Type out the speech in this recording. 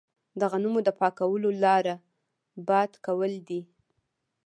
د غنمو د پاکولو لاره باد کول دي.